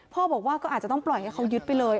พ่อบอกว่าก็อาจจะต้องปล่อยให้เขายึดไปเลย